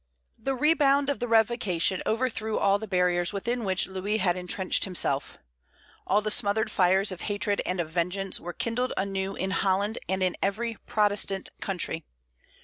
The rebound of the revocation overthrew all the barriers within which Louis had intrenched himself. All the smothered fires of hatred and of vengeance were kindled anew in Holland and in every Protestant country.